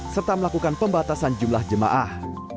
serta melakukan pembatasan jumlah jemaah